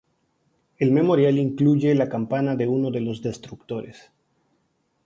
El memorial incluye la campana de uno de los destructores.